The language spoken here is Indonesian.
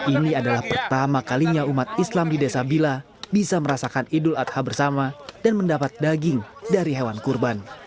ini adalah pertama kalinya umat islam di desa bila bisa merasakan idul adha bersama dan mendapat daging dari hewan kurban